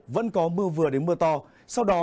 vẫn có mưa vừa đến mưa to sau đó